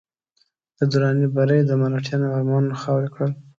د دراني بري د مرهټیانو ارمانونه خاورې کړل.